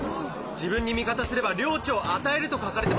「自分に味方すれば領地をあたえる」と書かれてます。